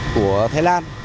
của thái lan